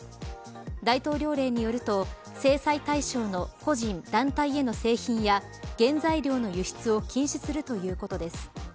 大統領令によると制裁対象の個人、団体への製品や原材料の輸出を禁止するということです。